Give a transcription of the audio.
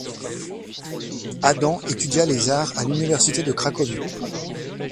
Adam étudia les Arts à l'université de Cracovie.